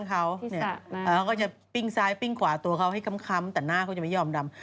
เขาก็จะปิ้งซ้ายปิ้งขวาตัวเขาให้ค้ำแต่หน้าเขาจะไม่ยอมดำ